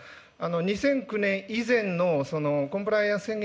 ２００９年以前のコンプライアンス宣言